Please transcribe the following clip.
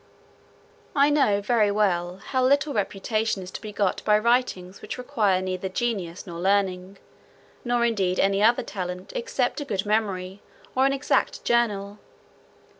I know very well, how little reputation is to be got by writings which require neither genius nor learning, nor indeed any other talent, except a good memory, or an exact journal.